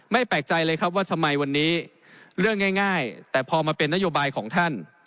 แปลกใจเลยครับว่าทำไมวันนี้เรื่องง่ายแต่พอมาเป็นนโยบายของท่าน